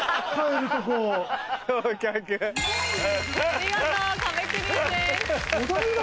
見事壁クリアです。